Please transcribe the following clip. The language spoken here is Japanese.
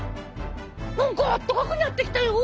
何か暖かくなってきたよ！